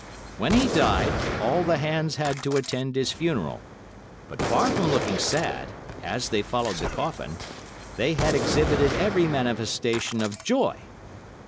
When he died, all the hands had to attend his funeral, but far from looking sad, as they followed the coffin, they had exhibited every manifestation of joy.